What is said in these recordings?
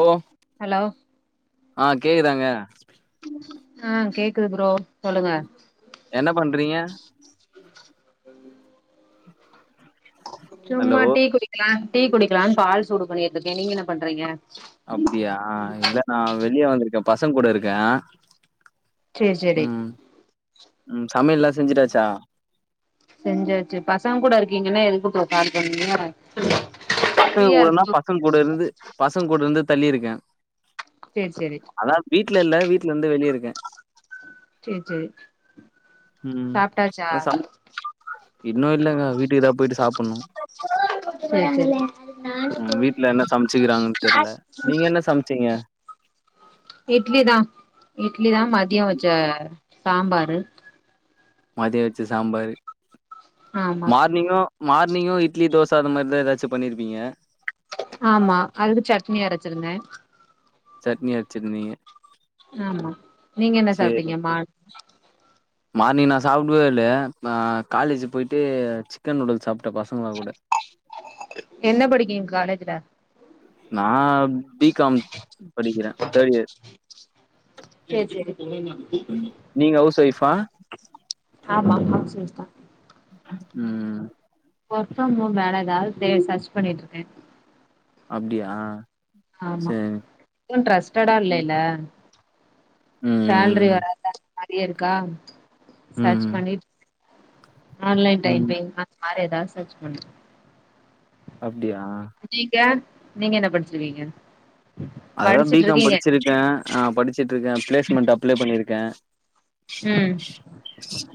ஓ hello ஆ கேக்குதாங்க ஆ கேக்குது ப்ரோ சொல்லுங்க என்ன பண்றீங்க [unintelligible] ஹலோ சும்மா டீ குடிக்கலா டீ குடிக்கலானு பால் சூடு பண்ணிக்கிட்டு ருக்கே நீங்க என்ன பண்றீங்க அப்டியா இல்ல நா வெளிய வந்திருக்கே பசங்க கூட இருக்கே சேரி சேரி ம் ம் சமையல் எல்லா செஞ்சுட்டாச்சா செஞ்சாச்சு பசங்க கூட இருக்கீங்கன்னா எதுக்கு இப்ப கால் பண்ணீங்க பசங்க ஃப்ரீயா கூடன்னா இருக்கு பசங்க கூட இருந்து பசங்க கூட இருந்து தள்ளி இருக்கே சேரி செரி அதாவது வீட்ல இல்ல வீட்ல இருந்து வெளிய இருக்கே சேரி சேரி ம் சாப்ட்டாச்சா அது சம இன்னு இல்லங்க வீட்டுக்கு தா போயிட்டு சாப்புணு சேரி சேரி ம் வீட்ல என்ன சமச்சுக்கிறாங்கன்னு தெர்ல நீங்க என்ன சமச்சீங்க இட்லி தா இட்லி தா மதியோ வச்ச சாம்பாரு மதியோ வச்ச சாம்பாரு ஆமா மார்னிங்கு மார்னிங்கு இட்லி தோச அது மாரிதா எதாச்சு பண்ணிருப்பீங்க ஆமா அதுக்கு சட்னி அரச்சிருந்தே சட்னி அரச்சிருந்தீங்க ஆமா நீங்க என்ன சேரி சாப்ட்டீங்க மான் மார்னிங் நா இல்லேயேசாப்டுவே அ காலேஜ் போய்ட்டு சிக்கன் நூடுல்ஸ் சாப்ட்டே பசங்க கூட என்ன படிக்கீங்க காலேஜ்ல நா பி காம் படிக்கிறே தேர்ட் இயர் சேரி சேரி சேரி நீங்க ஹவுஸ் ஒய்ஃப்பா ஆமா ஹவுஸ் ஒய்ஃப் தா ம் ஒர்க் ஃப்ரம் ஹோம் வேற ஏதாவது தே சர்ச் பண்ணிட்டு இருக்க அப்டியா ஆமா சேரி இதுவு ட்ரஸ்டடா இல்லல்ல சேல்ரி ம் வராத மாரியே இருக்கா சர்ச் ம் பண்ணிட் ஆன்லைன் ம் டைப்பிங் அது மாரி ஏதாது சர்ச் பண்ற அப்டியா நீங்க நீங்க என்ன படிச்சிருக்கீங்க அதுதா பி படிச்சுட்டு காம் இருக்கீங்க படிச்சிருக்க ஆ படிச்சிட்ருக்க பிளேஸ்மெண்ட் அப்ளை பண்ணிருக்க ம்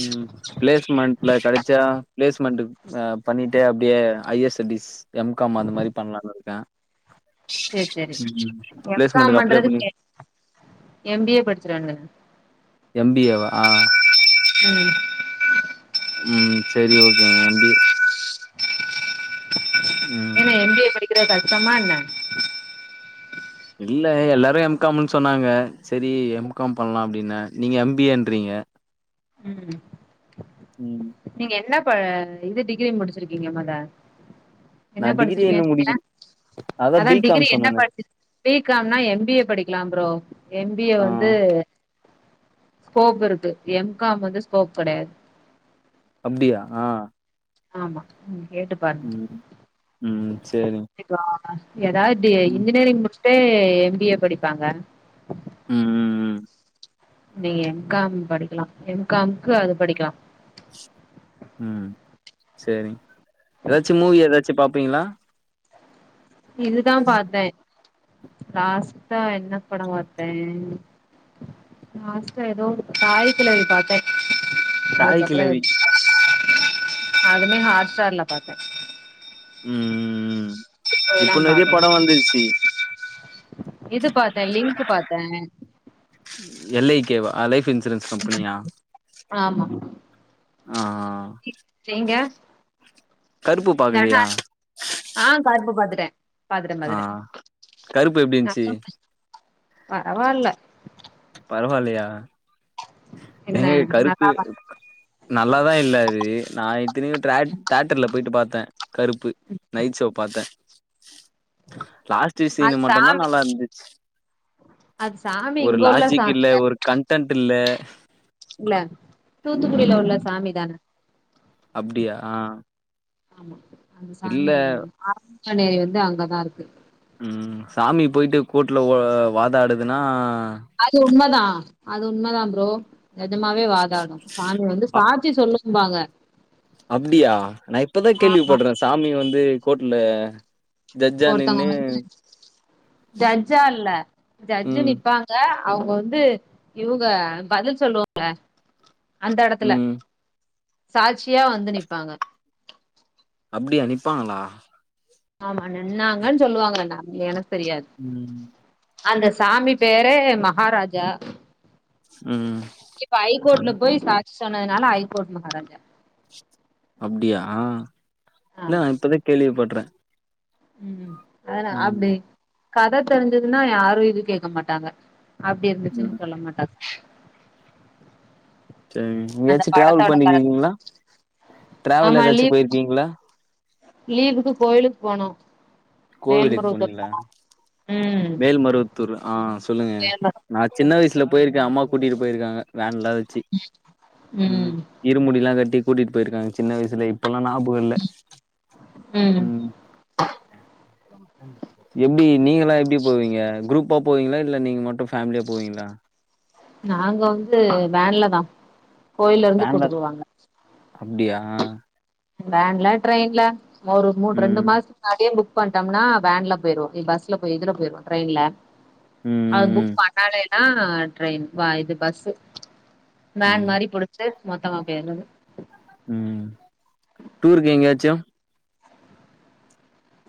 ம் பிளேஸ்மெண்ட்ல கெடைச்சா பிளேஸ்மெண்ட்டுக் பண்ணிட்டே அப்டியே ஹையர்ஸ்டடிஸ் எம் காம் அந்த மாரி பண்லானு இருக்க சேர் சேரி எம் காம் பிளேஸ்மெண்ட்க்கு அப்ளை பண்ணி பண்றதுக் எம் பி ஏ படிச்சிர வேண்டிதான எம் பி ஏ வா ஆ ம் ம் செரி ஓகேங்க எம் பி ஏ ம் ஏ எம் பி ஏ படிக்கறது கஷ்டமா என்ன இல்ல எல்லாரும எம் காமுன்னு சொன்னாங்க செரி எம் காம் பண்லா அப்டின்ன நீங்க எம் பி ஏ ன்றீங்க ம் ம் நீங்க என்ன ப இது டிகிரி முடிச்சிருக்கீங்க மொத நா என்ன டிகிரி இன்னு படிச்சிருக்கேன்ங்க முடிக்கல அதா பி காம் டிகிரி என்ன சொன்னனே படிச்சிரு பீ காம்னா எம் பி ஏ படிக்கலாம் ப்ரோ எம் பி ஏ ஆ வந்து ஸ்கோப் இருக்கு எம் காம் வந்து ஸ்கோப் கெடையாது அப்டியா ஆமா ம் கேட்டு பாருங்க ம் ம் சேரிங் [unintelligible] ஏதாது டி ம் இன்ஜினியரிங் முடிஸ்ட்டே எம் பி ஏ படிப்பாங்க ம்‌ ம் ம் நீங்க எம் காம் படிக்கலா எம் காம் க்கு அது படிக்கலா ம் சேரி ஏதாச்சு மூவி ஏதாச்சு பாப்பீங்களா இதுதா பாத்தே லாஸ்ட்டா என்ன படம் பாத்தே லாஸ்டீடா ஏதோ தாய் கெழவி பாத்தே தாய் அதுக்கப்புற கிழவி அதுமே ஹாட் ஸ்டார்ல பாத்தே ம் ம் ம் இதெல்லா இப்ப நெறைய பாக்கல படம் வந்துருச்சு இது பாத்த லிங்க்கு பாத்த எல் ஐ கே வா லைஃப் இன்சூரன்ஸ் கம்பெனியா ஆமா ஆ ஆ நீங்க கருப்பு பாக்கலையா [inaudible] ஆ கருப்பு பாத்துட்டே பாத்துட்ட ஆ கருப்பு எப்டி பாத்துட்ட இருந்துச்சு [inaudible] பரவாயில்ல பரவாயில்லயா என்ன ஏங்க கருப்பு நல்லாவா நல்லாதா இல்ல அது நா இத்தனக்கு தேட் தேட்டர்ல போயிட்டு பாத்த கருப்பு நைட் சோ பாத்த லாஸ்ட் அது சீனு மட்டுதான் சாமி நல்லா இருந்துச்சு அது சாமி ஒரு இங்க உள்ள லாஜிக் சாமி இல்ல தான ஒரு கன்டன்ட் இல்ல இல்ல தூத்துக்குடியில உள்ள ம் சாமி தான அப்டியா ஆமா அந்த இல்ல சாமி [unintelligible] ஏறி வந்து அங்கதா இருக்கு ம் சாமி போயிட்டு கோர்ட்ல வோ வாதாடுதுன்னா அது உண்மதா அது உண்மதா ப்ரோ நெஜமாவே வாதாடு சாமி வந்து அ சாட்சி சொல்லும்பாங்க அப்டியா நா இப்பதா கேள்வி ஆமா பட்றே சாமி வந்து கோட்ல ஒருத்தங்க வந்து ஜட்ஜா இல்ல ஜட்ஜு ம் நிப்பாங் க அவங்க வந்து இவங்க பதில் சொல்லுவாங்க அந்த எடத்துல ம் சாட்சியா வந்து நிப்பாங்க அப்டியா நிப்பாங்களா ஆமா நின்னாங்கன்னு சொல்லுவாங்க நம் எனக்கு தெரியாது ம் அந்த சாமி பெரே மகாராஜா ம் இப்ப அ ஐகோர்ட்டுல போய் சாட்சி சொன்னதுனால ஐகோர்ட் மகாராஜா அப்டியா ஆ இல்ல ஆமா நா இப்பதா கேள்விபட்ற ம் அதனா அப்டி கத தெரிஞ்சதுன்னா யாரு எது கேட்க மாட்டாங்க அப்டி ம் இருந்துச்சுன்னு சொல்ல மாட்டா [unintelligible] அந்த எங்கயாச்சு டிராவல் படத்தோட கத பண்ணிருக்கீங்களா டிராவல் ஆமா ஏதாச்சு லீவ் போயிருக்கீங்களா லீவுக்கு கோயிலுக்கு போனோ கோவிலுக்கு மேல்மருவத்தூர் போனீங்களா போனோ ம் மேல்மருவத்தூர் ஆ சொல்லுங்க மேல்மரு நான் சின்ன வயசுல போயிருக்க அம்மா கூட்டிட்டு போயிருக்காங்க வேன்ல்ல வச்சு ம் இருமுடிலா கட்டி கூட்டிட்டு போயிருக்காங்க சின்ன வயசுல இப்பல்லா ஞாபக இல்ல ம் எப்டி நீங்களல்லா எப்டி போவீங்க குரூப்பா போவீங்களா இல்ல நீங்க மட்டு ஃபேமிலியா போவீங்களா நாங்க வந்து வேன்ல தா கோயிலருந்து வேன்ல கூட்டு போவாங்க அப்டியா வேன்ல ட்ரெயின்ல ஒரு மூணு ரெண்டு ம் மாச முன்னாடியே புக் பண்ட்டம்னா வேன்ல போயிரு பஸ்ல போய் இதுல போயிருவோ ட்ரெயின்ல ம் அது ம் புக் பண்ணாலேன்னா ட்ரெயின் வா இது பஸ்சு ம் வேன் ம் மாரி புடிச்சு மொத்தமா போயிறது ம் டூருக்கு எங்கயாச்சு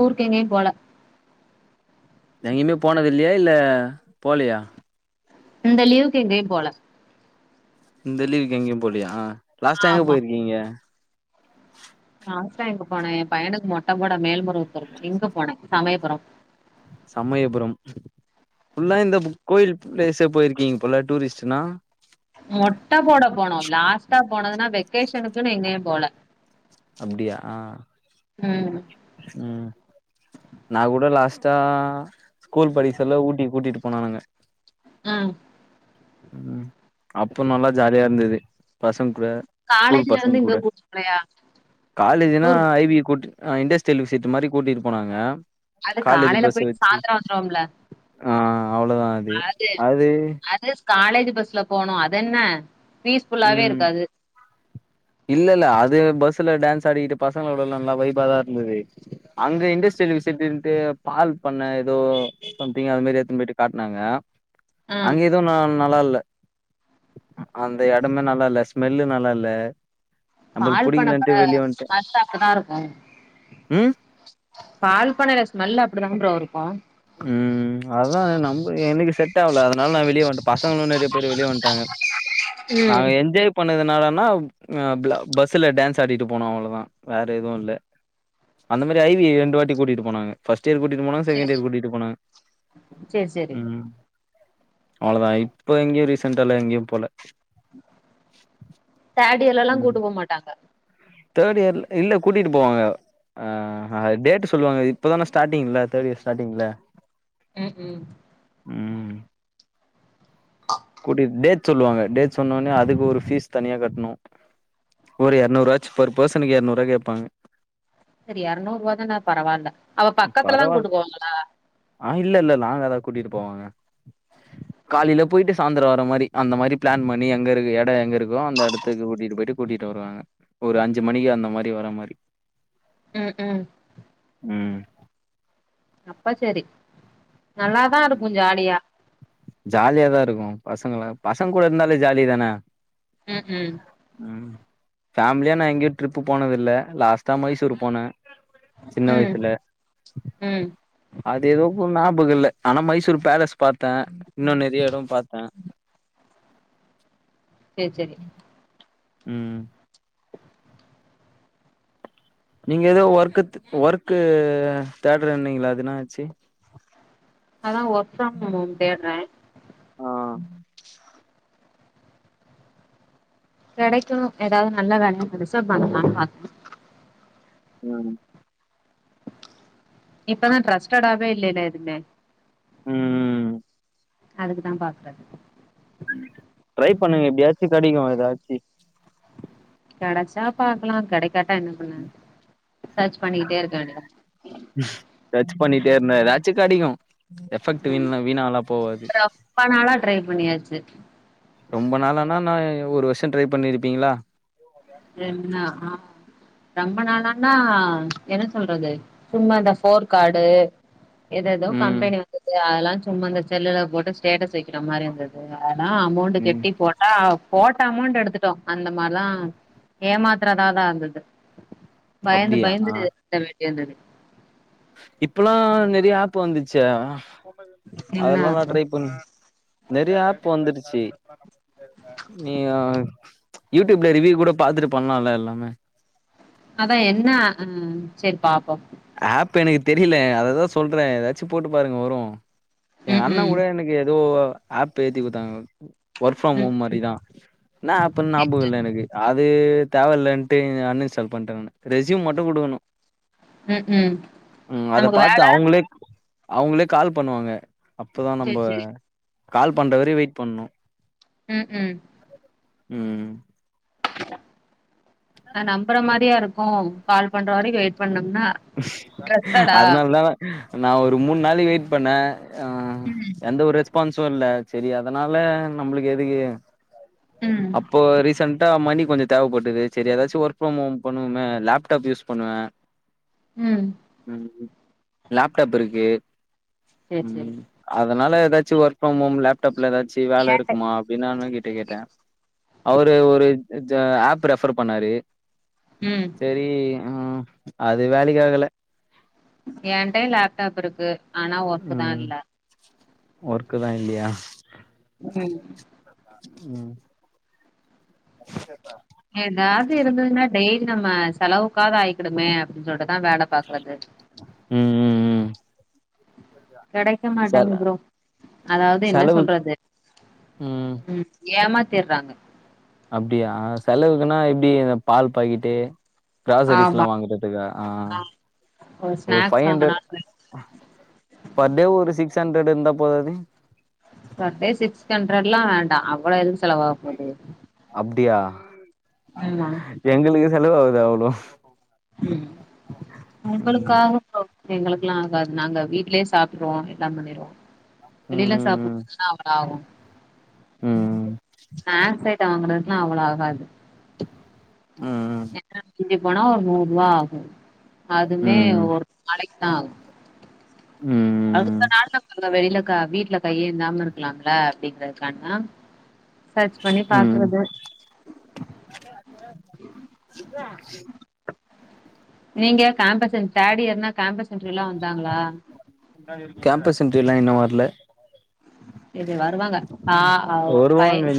ஊர் எங்கயு போல எங்கயுமே போனது இல்லையா இல்ல போலையா இந்த லீவுக் எங்கயு போல இந்த லீவுக்கு எங்கயு போலையா லாஸ்ட் எங்க ஆமா போயிருக்கீங்க லாஸ்ட் ஆ எங்க போன என் பையனுக்கு மொட்ட போட மேல்மருவத்தூர் இங்க போன கூட மேல்மருவத்து இரு இங்க போனே சமயபுரம் சமயபுரம் ஃபுல்லா இந்த புக் கோயில் பிளேஸ்யே போயிருக்கீங்க போல டூரிஸ்ட்டுன்னா மொட்ட போட போனோ லாஸ்டா போனதுன்னா வெக்கேஷனுக்குன்னு எங்கேயு போல அப்டியா ம் ம் ந கூட லாஸ்டா ஸ்கூல் படிக்க சொல்ல ஊட்டி கூட்டிட்டு போனானுங்க ம் ம் அப்போ நல்லா ஜாலியா இருந்தது பசங்க கூட ஸ்கூல் காலேஜ்ல பசங்க இருந்து கூட இங்க கூட்டு போலயா காலேஜினா டூர் ஐ பி கூட் இண்டஸ்ட்ரியல் விஷட் மாரி கூட்டிட்டு போனாங்க அது காலேஜ் காலையில பஸ் போயிட்டு வச்சு சாயந்தரோ வந்துருவோம்ல ஆ அவ்ளோ தா அதி அது அது காலேஜ் பஸ்ல போனோ அதென்ன பீஸ்புல்லாவே ம் இருக்காது இல்ல இல்ல அது பஸ்ல டான்ஸ் ஆடிக்கிட்டு பசங்களோட எல்லா நல்லா வைபா தா இருந்தது அங்க இண்டஸ்ட்ரியல் விசிட்டுனுடு பால் பண்ண ஏதோ சம்திங் அது மாரி எதுதிடுத்துன்ன போயிட்டு காட்டுனாங்க ஆ அங்க எது நா நல்லா இல்ல ஆ அந்த எடமே நல்லா இல்ல ஸ்மெல்லு நல்லா இல்ல நம்மளுக்கு பால் பண்ண தான புடிக்கலன்ட்டு வெளிய வந்ட்டே ஸ்மெல்லு அப்டி தா இருக்கு ம் பால் பண்ணையில ஸ்மெல்லு அப்டிதான ஃப்ரோ இருக்கு ம் ம் அதா நம்ம எனக்கு செட் ஆவல அதனால நா வெளிய வன்ட்டே பசங்களு நெறைய பேர் வெளிய வட்டாங்க ம் நாங்க எஞ்சாய் பண்ணதுனாலனா பஸ்ல டான்ஸ் ஆடிட்டு போனோ அவ்ளோதா வேற எதுவு இல்ல அந்த மாரி ஐ வி ரெண்டு வாட்டி கூட்டிட்டு போனாங்க ஃபஸ்ட் இயர் கூட்டிட்டு போனாங்க செகண்ட் சேரி இயர் கூட்டிட் சேரி சேரி ம் அவ்ளோ தா இப்ப எங்கேயு ரீசன்டால்ல எங்கேயு போல்ல தேர்ட் இயர்ல எல்லா ம் கூட்டு போ மாட்டாங்க தேர்ட் இயர்ல இல்ல கூட்டிட்டு போவாங்க ஆ டேட்டு சொல்லுவாங்க இப்பதா ஸ்டார்ட்டிங்ல தேர்ட் இயர் ஸ்டார்ட்டிங்ல ம் ம் ம் கூட்டிட் டேட் சொல்லுவாங்க டேட் சொன்னோனயே அதுக்கு ஒரு ஃபீஸ் தனியா கட்ணு ஒரு எரநூறாச்சு பர் பர்சனுக்கு எரநூறுவா கேப்பாங்க செரி எரநூறுவா தான பரவால்ல அவ ம் பக்கத்துலதா பரவாயில் கூட்டு போவாங்களா ஆ இல்ல இல்ல லாங்காதா கூட்டிட்டு போவாங்க காலையில போயிட்டு சாந்தர வர மாறி அந்த மாறி பிளான் பண்ணி எங்க இருக்கு எடோ எங்க இருக்கோ அந்த எடத் த்துக்கு கூட்டிட்டு போயிட்டு கூட்டிட்டு வருவாங்க ஒரு அஞ்சு மணிக்கு அந்த மாரி வர மாரி ம் ம் ம் அப்ப சேரி நல்லாதா இருக்கு ஜாலியா ஜாலியாதா இருக்கு பசங்க பசங்க கூட இருந்தாலே ஜாலி தானே ம் ம் ம் ஃபேமிலியா நா எங்கேயு ட்ரிப்பு போனதில்ல லாஸ்ட்டா மைசூர் போனே சின்ன ம் வயசுல ம் அது ஏதோ இப்ப ஞாபக இல்ல ஆனா மைசூர் பேலஸ் பாத்தே இன்னு நெறைய எட பாத்தே சேர் சேரி ம் நீங்க ஏதோ ஒர்க்கு தே ஒர்க்கு தேட்ரேன்னிங்கீலே அது என்னா ஆச்சு அதா ஒர்க் பிரம் ஹோம்‌ தேட்ரே ஆ கெடைக்குணு எதாவ்து நல்ல வேலையா பெருசா பண்லானு பாக்றே ம் இப்பதா டிரஸ்டடாவே இல்லலே எதுமே ம் அதுக்குதாம் பாக்றது ம் ட்ரைப் பண்ணுங்க எப்டியாச்சு கெடிகு எதாச்சி கெடச்சாப் பாக்கலா கெடைக்காட்டா என்ன பண்ண சர்ச் பண்ணிட்டே இருக்க வேண்டிதா சர்ச் பண்ணிட்டேருந்தா எதாச்சு கெடைகு எஃபெக்ட்டு வீண்ணா வீணாவலாப் போவாது ரொம்ப நாளா ட்ரை பண்ணியாச்சு ரொம்ப நாளானா நா ஒரு வர்ஷோ ட்ரைப் பண்ணியிருப்பீங்ளா ரென்னா ஆ ரொம்ப நாளானா என்ன சொல்றது சும்மா இந்த ஃபோர் கார்டு எதோ எதோ ம் கம்பெனி வந்தது அதலாஞ் சும்மா அந்த செல்லுலப் போட்டுச் ஸ்டேட்டஸ் வெக்கிற மாரி இந்தது ஆனா அமௌண்ட்டு ம் கெட்டிப் போட் ஆ போட்ட அமௌண்ட்டு எடுத்துட்டோ அந்த மார்லா ஏமாத்தரதாதா இருந்தது பயந்து அப்டியா பயந்து ருக்க வேண்டியிருந்தது இப்பலா நெறைய ஆப்பு வந்துச்சே என்ன அதெல்லா நா ஆச்சு ட்ரைப் பண் நெறைய ஆப் வந்துடுசி நீ அ யூடியூப்ல ரிவியூ கூட பாத்துட்டு பண்லால்ல எல்லாமே அதா என்னா அ செரி பாப்போ ஆப்பு எனகு தெரில அததா சொல்றே எதாச்சும் போட்டு பாருங்க வரு எங்க அண்ணேங் ம்ஹ்ம். கூட எனகு எதோ ஆப்பு ஏத்தி குத்தாங்கோ ஒர்க் ஃப்ரம் ம். ஹோம் மாரிதா இன்னா ஆப்புன் சரி, நாபாகோ சரி. இல்ல எனகு அது தேவ இல்லன்ட்டு அன் இன்ஸ்டால் பண்ட நானு ரெஸ்யூம் மட்டு குடுகுணு ம் ம் ம் அதப் பாத்து அவுங்ளேக் அவுங்ளேக் கால்ப் பண்ணுவாங்க அப்பதா நம்ப சரி, சரி. கால்ப் பண்ற வரியு வெயிட் பண்ணு ம் ம் ம் ம் நா நம்பற மாரியா இருக்கு கால்ப் பண்ற வரையு வெயிட் பண்ணம்னா அதுனால்தா நா நா ஒரு மூன் நாளைகி வெயிட் பண்ணே ஆ எந்த ஒரு ரெஸ்பான்ஸு இல்ல செரி அதனால நம்ளுகு எதுகு ம். அப்போ ரீசன்ட்டா மணி கொஞ்சோ தேவப்பட்டது செரி எதாச்சு ஒர்க் ஃப்ரம் ஹோம் பண்ணுவுமே லேப்டாப் யூஸ் பண்ணுவே ம் ம் ம் லேப்டாப் இருக்கு சரி, ம் சரி. ம் அதனால எதாச்சு ஒர்க் ஃப்ரம் ஹோம் லேப்டாப்ல எதாச்சி வேல இருக்குமாப் பின்னு அண்ணங்கிட்ட கேட்டே அவரு ஒரு ஜா ஆப்பு ரெஃபர் பண்ணாரு ம் செரி ம் அது வேலைகி ஆகல ஏன்ட்டயு லேப்டாப் இருக்கு ஆனா ஒர்க்குதா ம் இல்ல ஒர்க்குதா இல்லியா ம் ம் ஏதாது இருந்துதுன்னா டெய்லி நம்ம செலவுக்காக ஆயிக்குடுமே அப்டின்னு சொல்ட்டுதான் வேல பாக்குறது ம் ம் ம் கெடைக்க செல மாட்டேங்கு ப்ரோ அதாவது என்ன செலவு சொல்றது ம் ஏமாத்திட்றாங்க அப்டியா செலவுக்குன்னா எப்டி இந்த பால் பாக்கிட்டு கிராசரிஸ் எல்லா ஆமா. வாங்கறதுக்கா ஆ ஒரு ஸ்நாக்ஸ் பைவ் ஹண்ட்ரட் வாங்குனாலும் பர் டே ஒரு சிக்ஸ் ஹண்ட்ரட் இருந்தா போதாது பர் டே சிக்ஸ் ஹண்ட்ரட் எல்லா வேண்டா அவ்ளோ எதுக்கு செலவாவ போது அப்டியா ஆமா எங்களுக்கு செலவாவுது அவ்ளோ ம் உங்களுக்கு ம். ஆகும் ப்ரோ எங்களுக்கெல்லாம் ஆகாது நாங்க வீட்லேயே சாப்பிடுருவோம் எல்லா பண்ணிருவோம் வெளில ம். சாப்புன்னா அவ்ளோ ஆவும் ம். நா கிக்கெட் வாங்கனதுக்கல்லாம் அவ்ளோ ஆகாது ம். ம். என்ன மிஞ்சி போனா ஒரு நூறு ரூபா ஆகும் அதுமே ம். ஒரு நாளைக்கு தான் ஆகும் ம் அடுத்த ம். நாள்ல பாருங்க வெளில க வீட்ல கையேந்தாம இருக்கலாம்ல அப்டிங்கிறதுக்காக சேர்ச் பண்ணி ம். பாக்குறது நீங்க கேம்பஸ் இன் தேர்ட் இயர்னா கேம்பஸ் இன்டெர்வியூ எல்லா வந்தாங்களா கேம்பஸ் இன்டெர்வியூலா இன்னு வரல இது வருவாங்க ம். ஆ ஒ பை வருவாங்க